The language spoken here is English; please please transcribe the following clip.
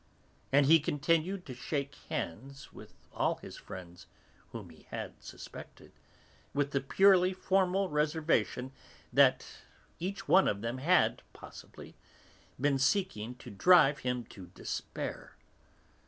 And he continued to shake hands with all the friends whom he had suspected, with the purely formal reservation that each one of them had, possibly, been seeking to drive him to despair.